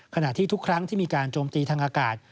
ขณะที่ทุกครั้งที่มีการโจมตีทางอากาศ